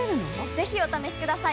ぜひお試しください！